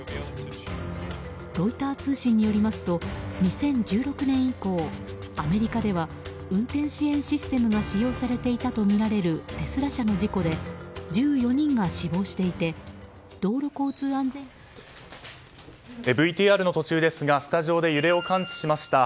ロイター通信によりますと２０１６年以降アメリカでは運転支援システムが使用されていたとみられるテスラ社の事故で１４人が死亡していてＶＴＲの途中ですがスタジオで揺れを感知しました。